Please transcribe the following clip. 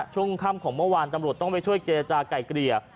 ช่วงค่ำของเมื่อวานตำรวจต้องไปช่วยเจรจาไก่เกลี่ย